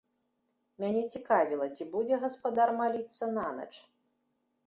Мяне цікавіла, ці будзе гаспадар маліцца нанач.